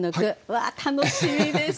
わあ楽しみです！